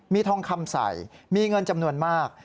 มีทองคำใส่มีเงินจำนวนมาก